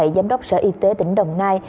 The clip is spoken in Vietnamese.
giám đốc sở y tế tỉnh đồng nai